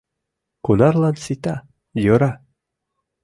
— Кунарлан сита — йӧра.